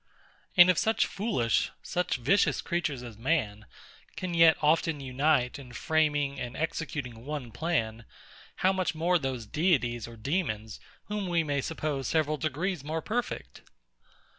And if such foolish, such vicious creatures as man, can yet often unite in framing and executing one plan, how much more those deities or demons, whom we may suppose several degrees more perfect!